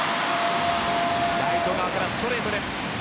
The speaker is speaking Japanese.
ライト側からストレートです。